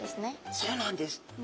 そうなんです。